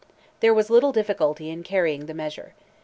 There was little difficulty in carrying the measure.